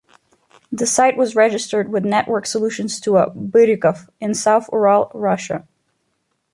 The site was registered with Network Solutions to a "Birykov" in South Ural, Russia.